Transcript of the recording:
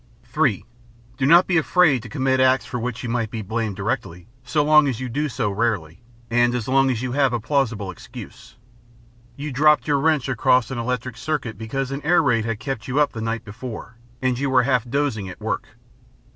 (3) Do not be afraid to commit acts for which you might be blamed directly, so long as you do so rarely, and as long as you have a plausible excuse: you dropped your wrench across an electric circuit because an air raid had kept you up the night before and you were half dozing at work.